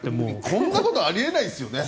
こんなことあり得ないですよね。